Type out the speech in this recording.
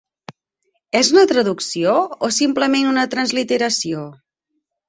És una traducció o simplement una transliteració?